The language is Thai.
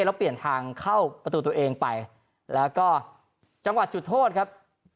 แล้วเปลี่ยนทางเข้าประตูตัวเองไปแล้วก็จังหวัดจุดโทษครับ